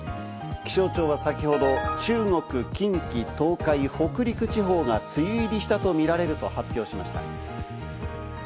気象庁は先ほど中国、近畿、東海、北陸地方が梅雨入りしたとみられると発表しました。